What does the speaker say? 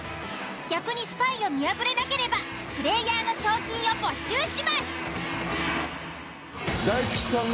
逆にスパイを見破れなければプレイヤーの賞金を没収します。